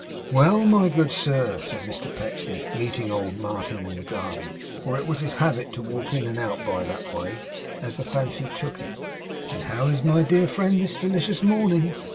'Well, my good sir,' said Mr Pecksniff, meeting old Martin in the garden, for it was his habit to walk in and out by that way, as the fancy took him; 'and how is my dear friend this delicious morning?